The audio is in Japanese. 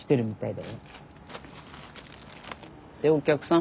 でお客さん